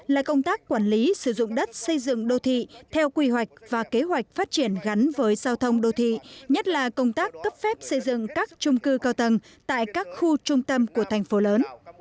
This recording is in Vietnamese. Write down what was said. hai là công tác quản lý sử dụng đất xây dựng đô thị theo quy hoạch và kế hoạch phát triển gắn với giao thông đô thị nhất là công tác cấp phép xây dựng các trung cư cao tầng tại các khu trung tâm của thành phố lớn